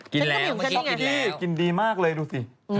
กินดีมากเลยดูสิ